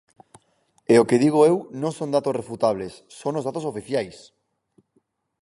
E o que digo eu non son datos refutables, son os datos oficiais.